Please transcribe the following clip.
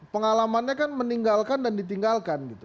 pengalamannya kan meninggalkan dan ditinggalkan gitu